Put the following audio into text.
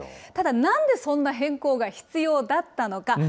ただ、なんでそんな変更が必要だったのか。